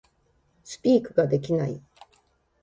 Speak ができない